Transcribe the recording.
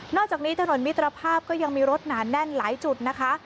อกจากนี้ถนนมิตรภาพก็ยังมีรถหนาแน่นหลายจุดนะคะ